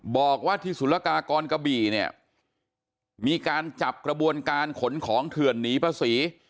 บอกว่าที่สุรกากรกะบี่เนี่ยมีการจับกระบวนการขนของเถื่อนหนีภาษี